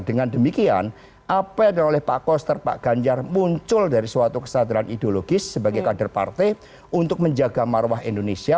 dengan demikian apa yang oleh pak koster pak ganjar muncul dari suatu kesadaran ideologis sebagai kader partai untuk menjaga marwah indonesia